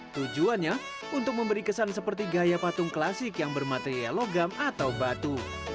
tujuannya untuk memberi kesan seperti gaya patung klasik yang bermateria logam atau batu